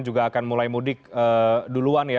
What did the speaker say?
juga akan mulai mudik duluan ya